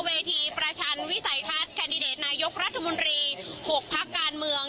เวทีประชันวิสัยทัศน์แคนดิเดตนายกรัฐมนตรี๖พักการเมือง